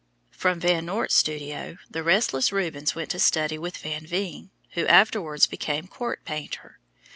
From Van Noort's studio the restless Rubens went to study with Van Veen, who afterwards became court painter.